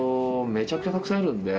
めちゃくちゃたくさんいるんで。